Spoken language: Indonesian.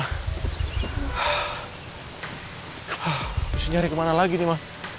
harusnya nyari kemana lagi nih ma